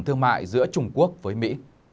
thương mại giữa trung quốc với mỹ